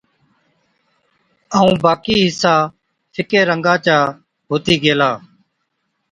ائُون باقِي حِصا ڦِڪي رنگا چا هُتِي گيلا۔